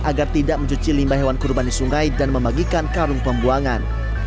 agar tidak mencuci limba hewan kurban di sungai dan membagikan karung pembuangan